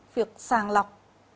việc sàng lọc